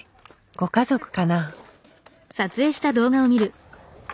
ご家族かな？